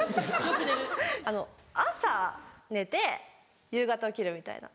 朝寝て夕方起きるみたいな。